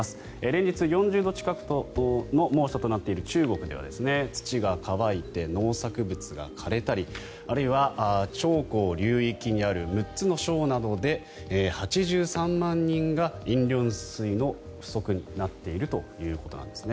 連日、４０度近くの猛暑となっている中国では土が乾いて農作物が枯れたりあるいは長江流域にある６つの省などで８３万人が飲料水の不足になっているということです。